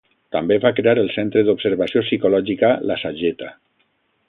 També va crear el centre d'observació psicològica La Sageta.